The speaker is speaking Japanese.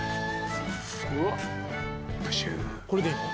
これでいいの？